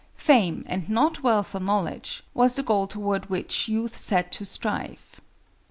Fame, and not wealth or knowledge, was the goal toward which youths had to strive.